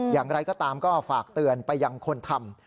อย่างไรก็ตามก็ฝากเตือนไปยังคนทำ